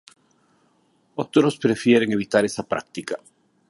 Otros prefieren evitar esa práctica.